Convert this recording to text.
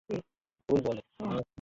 প্রায় মেরেই ফেলেছিলে?